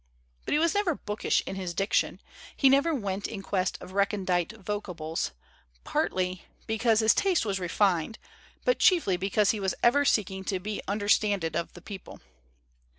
But he was never bookish in his diction; he never went in quest of recondite vocables, partly because his taste was refined but chiefly because he was ever seeking to be "understanded of the peo ple."